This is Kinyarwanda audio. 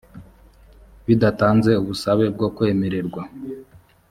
bidatanze ubusabe bwo kwemererwa